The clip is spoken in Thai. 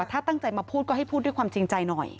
ถ้าตั้งใจมาพูดก็ให้พูดด้วยความจริงใจหน่อย